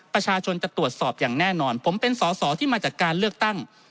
ประชาชนจะตรวจสอบอย่างแน่นอนผมเป็นสอสอที่มาจากการเลือกตั้ง